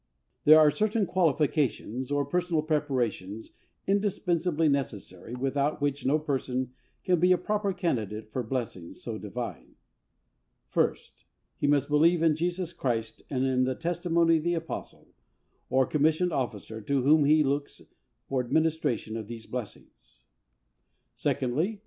There are certain qualifications, or personal preparations indispensably necessary, without which, no person can be a proper candidate for blessings so divine. First. He must believe in Jesus Christ, and in the testimony of the Apostle, or commissioned officer, to whom he looks for the administration of these blessings. Secondly.